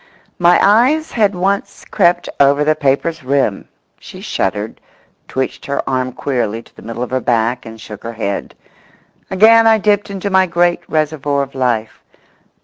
My eyes had once more crept over the paper's rim She shuddered, twitched her arm queerly to the middle of her back and shook her head. Again I dipped into my great reservoir of life.